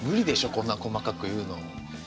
こんな細かく言うの。